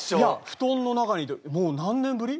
布団の中にいてもう何年ぶり？